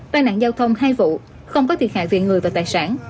đa nạn giao thông hai vụ không có thiệt hại viện người và tài sản